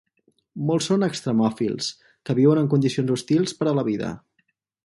Molts són extremòfils, que viuen en condicions hostils per a la vida.